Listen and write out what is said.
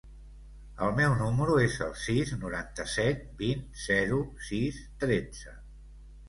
El meu número es el sis, noranta-set, vint, zero, sis, tretze.